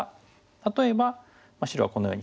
例えば白がこのようにきて。